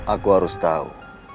aku harus tau